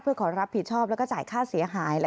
เพื่อขอรับผิดชอบแล้วก็จ่ายค่าเสียหาย